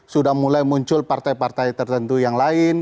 sudah mulai muncul partai partai tertentu yang lain